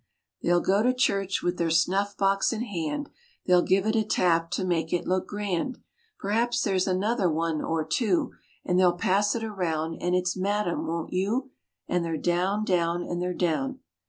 They'll go to church with their snuff box in hand, They'll give it a tap to make it look grand; Perhaps there is another one or two And they'll pass it around and it's "Madam, won't you," And they're down, down, and they're down.